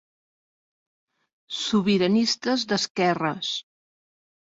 Sobiranistes d'Esquerres.